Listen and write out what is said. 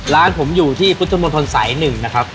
ร้านผมอยู่ที่พุทธมนตรสาย๑นะครับ